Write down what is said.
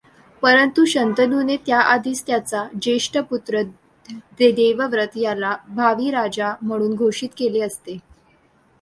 परंतु शंतनूने त्याआधीच त्याचा जेष्ठ पुत्र देवव्रत याला भावी राजा म्हणून घोषित केले असते.